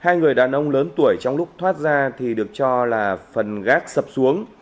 hai người đàn ông lớn tuổi trong lúc thoát ra thì được cho là phần gác sập xuống